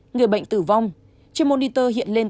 người bệnh tử vong trên monitor hiện lên